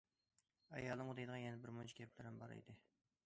ئايالىمغا دەيدىغان يەنە بىر مۇنچە گەپلىرىم بار ئىدى.